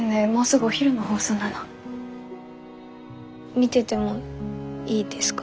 見ててもいいですか？